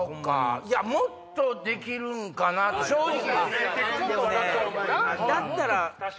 いやもっとできるんかなと正直。